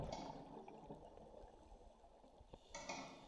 Su principal legado principal es etimológico.